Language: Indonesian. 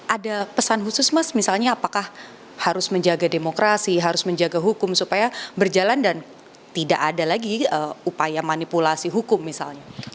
ada pesan khusus mas misalnya apakah harus menjaga demokrasi harus menjaga hukum supaya berjalan dan tidak ada lagi upaya manipulasi hukum misalnya